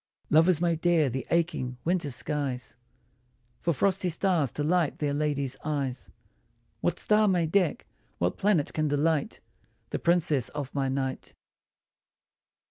Lovers may dare the aching winter skies For frosty stars to light their ladies' eyes ; What star may deck, what planet can delight The princess of my night